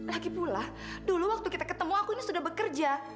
lagipula dulu waktu kita ketemu aku ini sudah bekerja